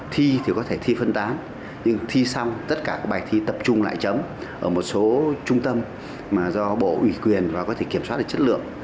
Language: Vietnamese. thi thì có thể thi phân tán nhưng thi xong tất cả các bài thi tập trung lại chấm ở một số trung tâm mà do bộ ủy quyền và có thể kiểm soát được chất lượng